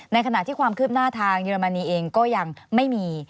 ขณะที่ความคืบหน้าทางเยอรมนีเองก็ยังไม่มี